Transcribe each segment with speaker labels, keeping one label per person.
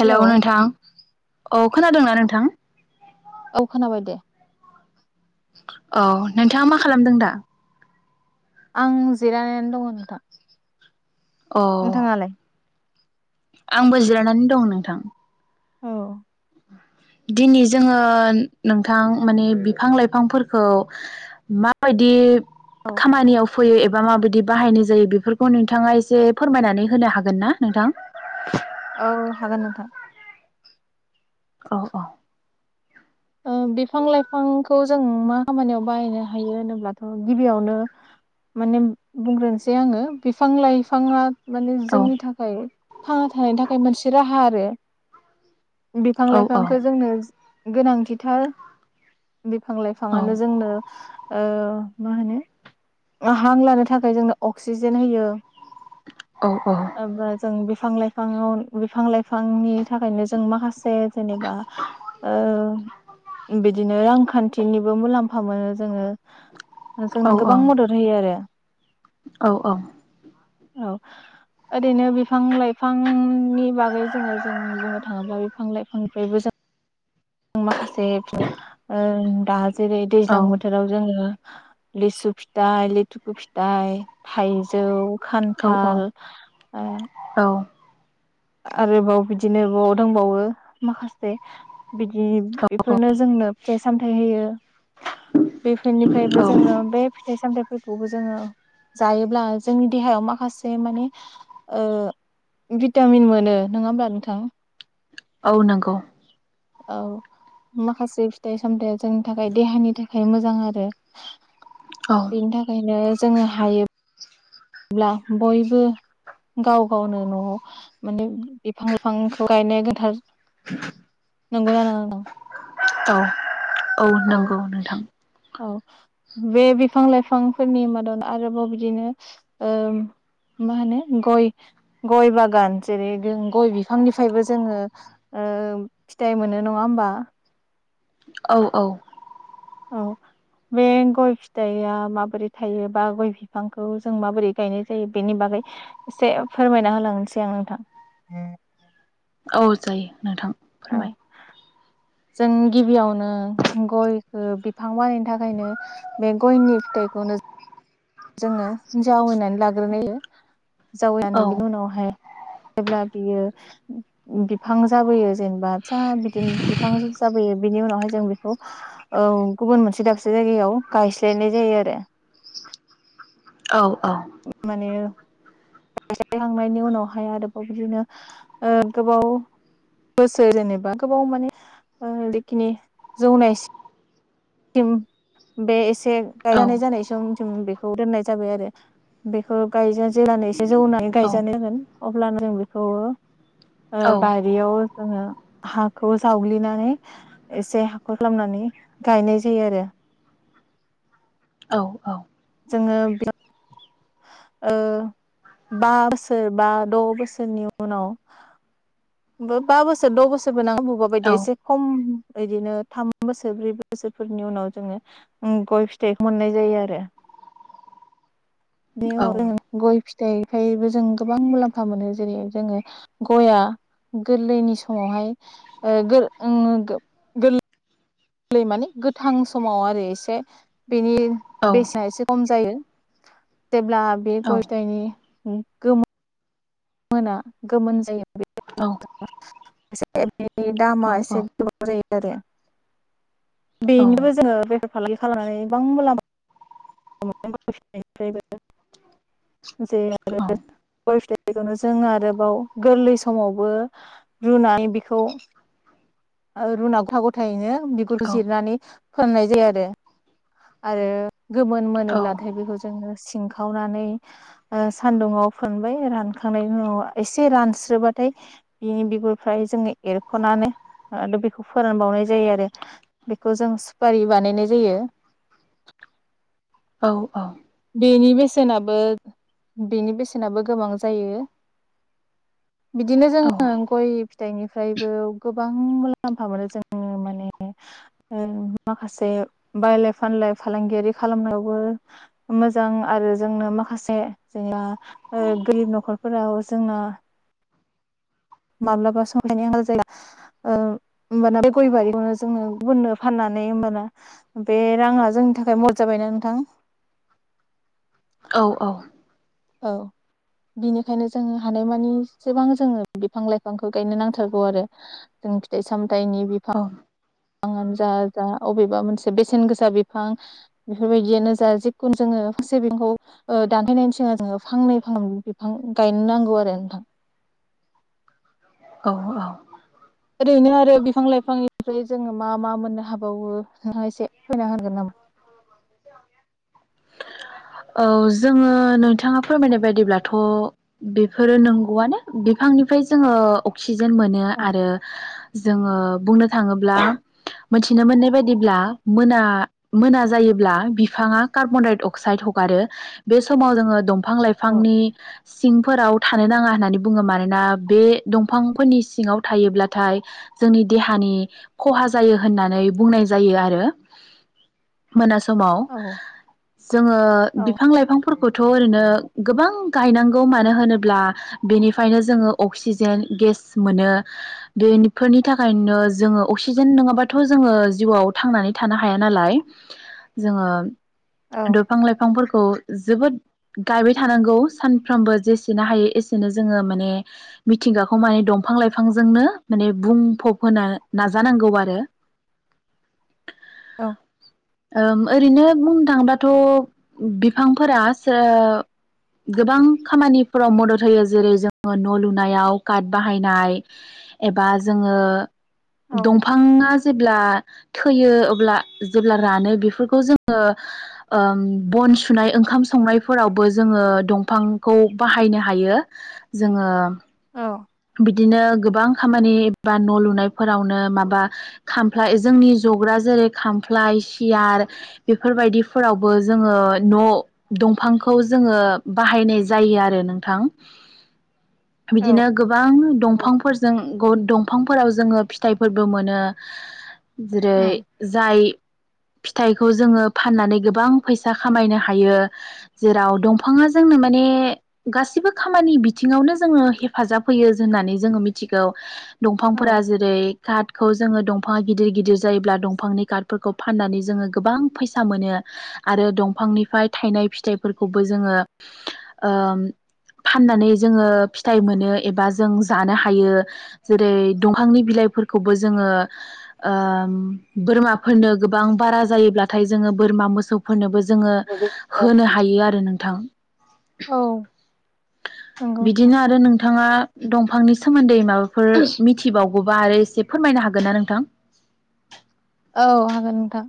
Speaker 1: Hello नोंथां औ खोनादोंना नोंथां?
Speaker 2: औ खोनाबाय दे।
Speaker 1: औ नोंथाङा मा खालामदों दा?
Speaker 2: आं जिरायनानै दङ नोंथां।
Speaker 1: औ
Speaker 2: नोंथाङालाय?
Speaker 1: आंबो जिरायनानै दं नोंथां।
Speaker 2: औ
Speaker 1: दिनै जोङो नोंथां माने बिफां लाइफांफोरखौ माबायदि खामानियाव फैयो एबा माबायदि बाहायनाय जायो बेफोरखौ नोंथाङा एसे फोरमायनानै होनो हागोन ना नोंथां?
Speaker 2: औ हागोन नोंथां।
Speaker 1: औ औ।
Speaker 2: ओ बिफां लाइफांखौ जों मा खामानियाव बाहायनो हायो होनोब्लाथ' गिबियावनो माने बुंग्रोनोसै आङो बिफां लाइफाङा माने
Speaker 1: औ
Speaker 2: जोंनि थाखाय थांना थानायनि थाखाय मोनसे राहा आरो। बिफां
Speaker 1: औ
Speaker 2: लाइफांखौ जोंनो गोनां बिथाल बिफां
Speaker 1: औ
Speaker 2: लाइफाङानो जोंनो ओ मा होनो हां लानो थाखाय जोंनो अक्सिजेन होयो।
Speaker 1: औ औ
Speaker 2: एबा जों बे बिफां लाइफांआव बिफां लाइफांनि थाखायनो जों माखासे जेनेबा ओ बिदिनो रांखान्थिनिबो मुलाम्फा फा मोनो जोङो
Speaker 1: औ
Speaker 2: जोंनो गोबां मदद होयो आरो।
Speaker 1: औ
Speaker 2: औ ओरैनो बिफां लाइफांनि बागै जोङो जों बुंनो थाङोब्ला बिफां लाइफांनिफ्रायबो जों माखासे ओं दाज जेरै दैज्लां बोथोराव जोङो लिसु फिथाइ, लेथुखु फिथाइ, थाइजौ खान्थाल ओ
Speaker 1: औ
Speaker 2: आरोबाव बिदिनो बुहुद दंबावो माखासे बिदि बेफोरनो जोंनो फिथाइ सामथाइ होयो। बेफोरनिफ्रायबो
Speaker 1: औ
Speaker 2: जोङो बे फिथाइ सामथाइ फोरखौबो जोङो जायोब्ला जोंनि देहायाव माखासे माने ओ भिट टामिन मोनो नङा होमबा नोंथां?
Speaker 1: औ नंगौ।
Speaker 2: औ माखासे फिथाइ सामथाया जोंनि थाखाय देहानि थाखाय मोजां आरो।
Speaker 1: औ
Speaker 2: बेनि थाखायनो जोङो हायो ब्ला बयबो गाव गावनो न'आव माने बिफां लाइफांखौ गायनाया गोथार नंगौना नङा?
Speaker 1: औ औ नंगौ नोंथां
Speaker 2: औ बे बिफां लाइफांफोरनि मादाव आरोबाव बिदिनो ओ मा होनो गय गय बागान जेरै गय बिफांनिफ्रायबो जोङो ओ फिथाइ मोनो नङा होमबा
Speaker 1: औ औ
Speaker 2: औ बे गय फिथाइया माबोरै थायो बा गय बिफांखौ जों माबोरै गायनाय जायो बेनि बागै एसे फोरमायना होलांसै आं नोंथां
Speaker 1: औ जायो नोंथां
Speaker 2: औ
Speaker 1: फोरमाय
Speaker 2: जों गिबियावनो गयखौ बिफां बानायनो थाखायनो बे गयनि फिथाइखौनो जोङो जावैनानै लाग्रोनायो जावैनानो बिनि उनावहाय जेब्ला बियो बिफां जाबोयो जेनेबा फिसा बिदिनो बिफां जाबोयो बेनि उनावहाय जों बेखौ ओ गुबुन मोनसे दाबसे जायगायाव गायस्लायनाय जायो आरो
Speaker 1: औ
Speaker 2: माने गायखांनायनि उनावहाय आरोबाव बिदिनो ओ गोबाव बोसोर जेनेबा गोबाव माने जिखिनि जौनायसि सिम बे एसे एसे गायानाय जानाय सम जों बे दनाय जाबाय आरो बेखौ गायजा [unintelligible] बे जौ होननानै गायजानो होगोन अब्लानो जों बेखौ ओ बारियाव जोङो हाखौ जावग्लिनानै एसे हाखर खालामनानै गायनाय जायो आरो जोङो ओ बा बोसोर बा द बोसोरनि उनाव बा बोसोर द बोसोरबो नां बबबा बायदि एसे खम बिदिनो थाम बोसोर ब्रै बोसोरफोरनि उनाव जोङो गय फिथाइखौ मोननाय जायो आरो बेनि उनाव ज गय फिथाइखबो जों गोबां मुलाम्फा मोनो जेरै जोङो गया गोरलैनि समावहाय ओ गो ओ गोरलै गोरलै माने गोथां समाव आरो एसे बेनि बेसेना एसे खम जायो जेब्ला बे गयथायाइनि गोम मोना गोमोन
Speaker 1: औ-औ-औ-औ-औ-औ-औ-औ-औ-औ-औ-औ-औ-औ-औ-औ-औ-औ-औ-औ-औ-औ-औ-औ-औ-औ-औ-औ-औ
Speaker 2: जायोनि दामा एसे गोबां जायो आरो बेनोबो जोङो बेफार फालांगि खालामनानै गोबां मुलामलामानिफ्रायबो जे आरो बेखौनो जों आरोबाव गोरलै समावबो रुनानै बेखौ रुनाव गथा गथायैनो बिगुरखौ जिरनानै फोननाय जायो आरो आरो गोमोन मोनोब्लाथाय बेखौ जोङो सिंखावनानै ओ सानदुंङाव फोनबाय रानखांनायनि उनाव एसे रानस्रोबाथाय बिनि बिगुर फाय जोङो एरख'नानै आरो बेखौ फोरानबावनाय जायो आरो बेखौ जों सुपारि बानायनाय जायो
Speaker 1: औ औ
Speaker 2: बेनि बेसेनाबो बेनि बेसेनाबो गोबां जायो बिदिनो जोङो गय फिथाइनिफ्रायबो गोबां मुलाम्फा मोनो जों माने माखासे बायलाय फानलाय फालांगियारि खालामनायावबो मोजां आरो जोंनो माखासे जेनया गोरिब नखरफोराव जोंना माब्लाबा संनायनि आंखाल जाया होमबाना बे गय बारिखौनो जोंनो गुननो फाननानै होमबाना बे राङा जोंनि थाखाय मद जाबायना नोंथां
Speaker 1: औ औ
Speaker 2: औ बिनिखायनो जोंङो हानायमानिसेबां जोङो बिफां लाइफांखौ गायनो नांथारगौ आरो जों फिथाइ सामथ दायनि बिफां बिफाङानो जा जा अबेबा मोनसे बेसेन गोसा बिफां बेफोरबायदियानो जा जिखुनु जोङो सिबिंखौ दानहैनायनि सिगां जोङो बिफांनै फां बिफां गायनांगव आरोथा
Speaker 1: औ औ
Speaker 2: ओरैनो आरो बिफां लाइफांनिफ्राय जोङो मा मा मोननो हाबावो नों एसे फैना हागोन नामा?
Speaker 1: ओ जोङो नोंथाङा फोरमायनाय बायदिब्लाथ' बेफोरो नंगौआनो बिफांनिफ्राय जोङो अक्सि क्सिजेन मोनो आरो जोङो बुंनो थाङोब्ला मिथिनो मोननाय बायदिब्ला मोना मोना जायोब्ला बिफाङा कार्बनडाइ अक्साइड ह गारो बे समाव जों दं बिफां
Speaker 2: औ
Speaker 1: लाइफांनि सिंफोराव थानो नाङा होननानै बुङो मानोना बे दंफांफोरनि सिङाव थायोब्लाथाय जोंनि देहानि खहा जायो होननानै बुंनाय जायो आरो मोना समाव
Speaker 2: औ
Speaker 1: जोङो
Speaker 2: औ
Speaker 1: बिफां लाइफां बिफांफोरखौथ ओरैनो गोबां गायनांगौ मानो होनोब्ला बेनिफ्रायनो जोङो अक्सिजेन गेस मोनो बेफोरनि थाखायनो जोङो अक्सिजेन नङाबाथ' जोङो जिउआव थांनानै थानो हाया नालाय जोङो
Speaker 2: औ
Speaker 1: दंफां लाइफांफोरखौ खौ जोबोद गायबाय थानांगौ सानफ्रोमबो जेसेनो हायो एसेनो जोङो माने मिथिंगाखौ माने दंफां लाइफांजोंनो माने बुंफब होनो नाजानांगौ आरो
Speaker 2: औ
Speaker 1: ओरैनो बुंनो थाङोबाथ बिफांफोरा सो गोबां खामानिफोराव मदद होयो जेरै जोङो न' लुनायाव काट बाहायनाय एबा जोङो दंफाङा जेब्ला थैयो अब्ला जेब्ला रानो बेफोरखौ जोङो बन सुनाय ओंखाम संनायफोरावबो जोङो दंफांखौ बाहायनो हायो जोङो
Speaker 2: औ
Speaker 1: बिदिनो गोबां खामानि बा न' लुनायफोरावनो माबा खामफ्लाय जोंनि जग्रा जेरै खामफ्लाय सियार बेफोरबायदिफोरावबो जोङो न' दंफांखौ जोङो बाहायनाय जायो आरो नोंथां
Speaker 2: औ
Speaker 1: बिदिनो गोबां
Speaker 2: औ
Speaker 1: दंफांफोरजों दंफांफोराव जोङो फिथाइफोरबो मोनो जेरै
Speaker 2: नंगौ उम
Speaker 1: जाय फिथाइखौ जोङो फाननानै गोबां फैसा खामायनो हायो जेराव दंफाङा जोंनो माने गासिबो खामानि बिथिङावनो जोङो हेफाजाब होयो होननानै जोङो मिथिगौ दंफांफोरा जेरै काट खौ जोङो दंफाङा गिदिर गिदिर जायोब्ला दंफांनि काट फोरखौ फाननानै जोङो गोबां फैसा मोनो आरो दंफांनिफ्राय थायनाय फिथाइफोरखौबो जोङो ओ फाननानै जोङो फिथाइ मोन नों एबा जों जानो हायो जेरै दांनि बिलाइफोरखौबो जोङो ओ बोरमा फोरनो गोबां बारा जायोब्लाथाय जोङो बोरमा मोसौफोरनोबो जोङो होनो हायो आरो नों थां
Speaker 2: औ नंगौ नोंथां
Speaker 1: बिदिनो आरो नोंथाङा दं फांनि सोमोन्दै माबा फोर मिथिबाव गौबा आरो एसे फोरमायनो हागोन ना नोंथां
Speaker 2: औ हागोन नोंथां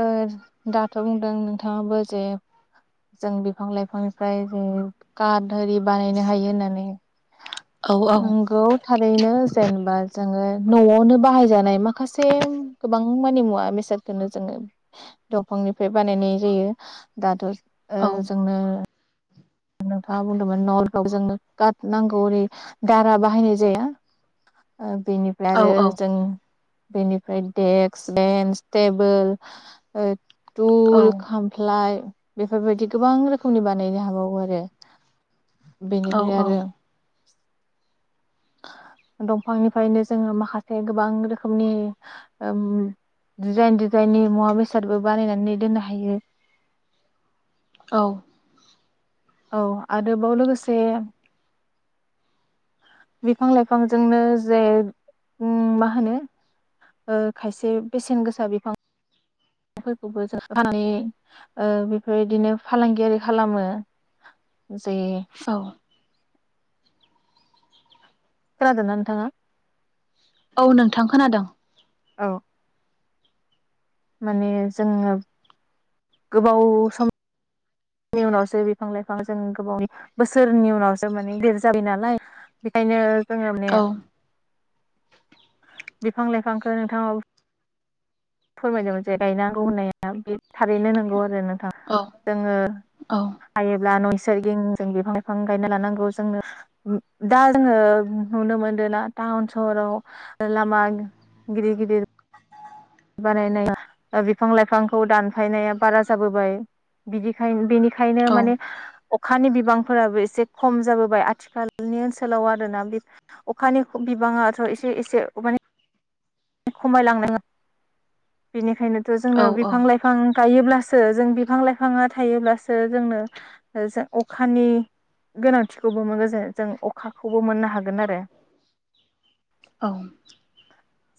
Speaker 2: ओ दाथ' बुंदों नोंथाङाबो जे जों बिफां लाइफांनिफ्राय जे काट आरि बानायनो हायो होननानै
Speaker 1: औ औ
Speaker 2: नंगौ थारैनो जेनेबा जोङो न'आवनो बाहायजानाय माखासे गोबां मानि मुवा बेसादखौनो। जोङो दंफांनिफ्राय बानायनाय जायो दाथ'। ओ
Speaker 1: औ
Speaker 2: जोंनो नोंथाङा बुंदोंमोन न'लुनायाव जोंनो काट नांगौ ओरै दारा बाहायनाय जाया। ओ बेनिफ्राय
Speaker 1: औ
Speaker 2: आरो
Speaker 1: औ
Speaker 2: जों बेनिफ्राय डेक्स बेन्स टेबोल ओ
Speaker 1: औ
Speaker 2: दुल खामफ्लाय। बेफोरबायदि गोबां रोखोमनि बानायनो हाबावो बे बेनिफ्राय आरो दंफांनिफ्रायनो जोङो माखासे गोबां रोखोमनि ओम डिजाइन डिजाइननि मुवा बेसादबो बानायनानै दोननो हायो।
Speaker 1: औ।
Speaker 2: औ आरोबाव लोगोसे बिफां लाइफांजोंनो जे ओम माहोनो ओ खायसे बेसेन गोसा बिफां फोरखौबो जों फाननानै ओ बेफोरबायदिनो फालांगियारि खालामो। जे
Speaker 1: औ
Speaker 2: खोनादोंना नोंथाङा?
Speaker 1: औ नोंथां खोनादों।
Speaker 2: औ। माने जोङो गोबाव सम नि उनावसो बिफां लाइफां जों गोबाव बोसोरनि उनावसो माने देर जाबाय नालाय बेखायनो
Speaker 1: औ
Speaker 2: [unintelligible] बिफां लाइफांखौ नोंथां [unintelligible] फोरमायदोंमोन जे गायनांगौ होननाया बे थारैनो नंगौ आरो नों
Speaker 1: औ
Speaker 2: जोङो
Speaker 1: औ
Speaker 2: हायोब्ला [unintelligible] [unintelligible] जों बिफां लाइफां गायना लानांगौ जोंनो उ दा जोङो नुनो मोनदो ना टाउन सहराव लामा गिदिर गिदिर बानायना या ओ बिफां लाइफांखौ दानफायनाया बारा जाबोबाय बिदिखाय बिनि खायनो
Speaker 1: औ
Speaker 2: माने अखा अखानि बिबांफोराबो एसे खम जाबोबाय आथिखालनि ओनसोलाव आरोना बि अखानि बिबाङाथ' एसे एसे [unintelligible] [unintelligible] ओंखायनोथ'
Speaker 1: औ
Speaker 2: जोंनो बिफां लाइफां गायोब्लासो सो जों बिफां लाइफाङा थायोब्लासो जोंनो ओ जो अखानि गोनांथिखौबो मोनो जे जों अखाखौबो मोननो हागोन आरो।
Speaker 1: औ।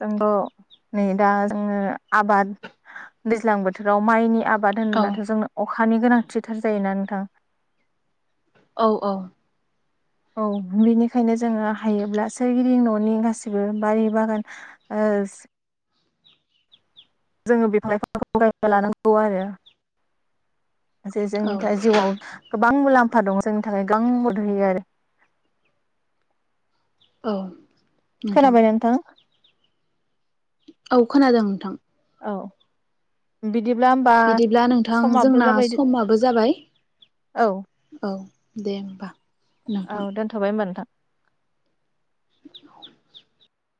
Speaker 2: जोंथ' नै दा जोङो आबाद दैज्लां बोथोराव माइनि आ बाद होनोब्लाथ' जोंङो अ अखानि गोनांथिथार जायोना नोंथां?
Speaker 1: औ औ।
Speaker 2: औ बेनिखायनो जोङो हायोब्ला सोरगिदिं न'नि गासिबो बारि बागान ओ [unintelligible] जे जोंनि
Speaker 1: औ
Speaker 2: दा जिउआव गोबां मुलाम फा दङ जोंनि थाखाय [unintelligible]
Speaker 1: औ
Speaker 2: खोना बायना नोंथां?
Speaker 1: औ खोनादों नोंथां।
Speaker 2: औ बिदिब्ला होमबा
Speaker 1: बिदिब्ला नोंथां
Speaker 2: समाबो
Speaker 1: जोंना
Speaker 2: जाबाय
Speaker 1: समाबो जाबाय औ दे होमबा
Speaker 2: औ
Speaker 1: नोंथां।
Speaker 2: दोनथ'बाय होमबा नोंथां।